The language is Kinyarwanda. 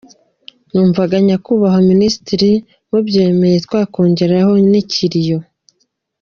Numvaga nyakubahwa Minisiter mubyemeye twakongeraho n’ ikiriyo.